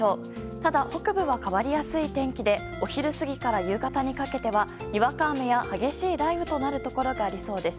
ただ、北部は変わりやすい天気でお昼過ぎから夕方にかけてはにわか雨や激しい雷雨となるところがありそうです。